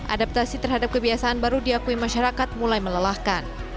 adaptasi terhadap kebiasaan baru diakui masyarakat mulai melelahkan